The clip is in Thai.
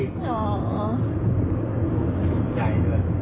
ก็ไม่เคยไปยุ่มคนอื่น